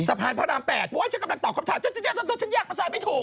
พระราม๘โอ๊ยฉันกำลังตอบคำถามฉันแยกภาษาไม่ถูก